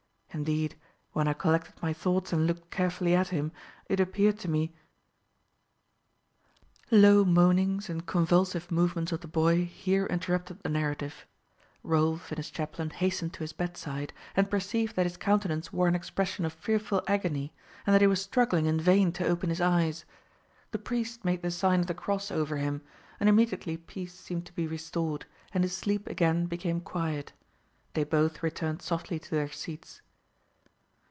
Indeed, when I collected my thoughts and looked carefully at him, it appeared to me " Low moanings and convulsive movements of the boy here interrupted the narrative. Rolf and his chaplain hastened to his bedside, and perceived that his countenance wore an expression of fearful agony, and that he was struggling in vain to open his eyes. The priest made the Sign of the Cross over him, and immediately peace seemed to be restored, and his sleep again became quiet: they both returned softly to their seats.